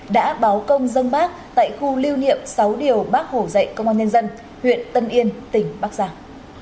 đã báo công dân bác tại khu lưu niệm sáu điều bác hồ dạy công an nhân dân huyện tân yên tỉnh bắc giang